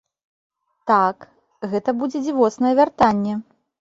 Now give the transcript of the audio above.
Так, гэта будзе дзівоснае вяртанне.